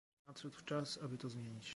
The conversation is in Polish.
Nadszedł czas, aby to zmienić